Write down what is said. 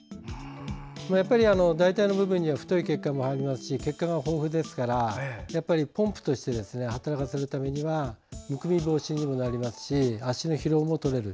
やっぱり太ももの部分には太い血管がありますし血管が豊富ですからポンプとして働かせるためにはむくみ防止にもなりますし足の疲労もとれる。